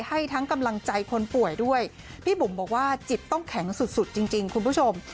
ให้ทั้งกำลังใจคนป่วยด้วยพี่บุ๋มบอกว่าจิตต้องแข็งสุดสุดจริงคุณผู้ชม